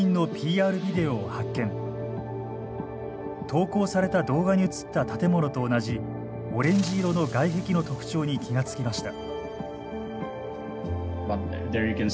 投稿された動画に映った建物と同じオレンジ色の外壁の特徴に気が付きました。